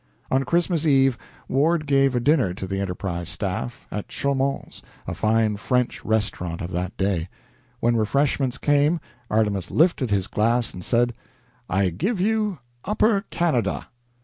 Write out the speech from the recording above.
On Christmas Eve, Ward gave a dinner to the "Enterprise" staff, at Chaumond's, a fine French restaurant of that day. When refreshments came, Artemus lifted his glass, and said: "I give you Upper Canada."